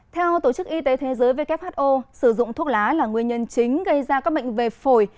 theo tổ chức y tế thế giới who sử dụng thuốc lá là nguyên nhân chính gây ra các bệnh về phổi